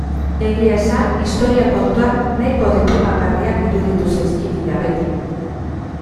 Egia esan historia kontuak nahiko deprimigarriak iruditu zaizkit ia beti.